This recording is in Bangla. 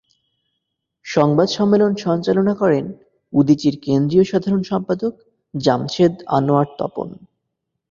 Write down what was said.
সংবাদ সম্মেলন সঞ্চালনা করেন উদীচীর কেন্দ্রীয় সাধারণ সম্পাদক জামশেদ আনোয়ার তপন।